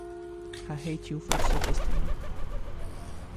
I hate you for suggesting it.